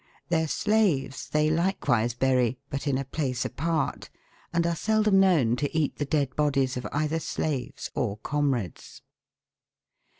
Their slaves they likewise bury, but in a place apart, and are seldom known to eat the dead bodies of either slaves or comrades.